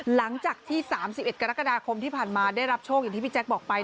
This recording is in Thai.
หลังจากที่๓๑กรกฎาคมที่ผ่านมาได้รับโชคอย่างที่พี่แจ๊คบอกไป